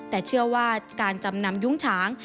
แต่เชื่อว่าการจำนำยุ้งฉาง